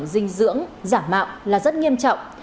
dinh dưỡng giả mạo là rất nghiêm trọng